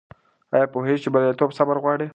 آیا پوهېږې چې بریالیتوب صبر غواړي؟